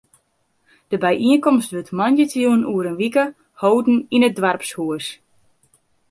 De byienkomst wurdt moandeitejûn oer in wike holden yn it doarpshûs.